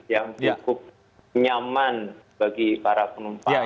yang cukup nyaman bagi para penumpang